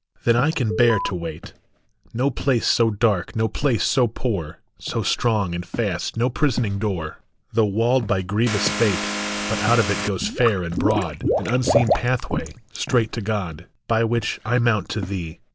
Then I can bear to wait ! No place so dark, no place so poor, So strong and fast no prisoning door, Though walled by grievous fate, But out of it goes fair and broad An unseen pathway, straight to God, By which I mount to thee.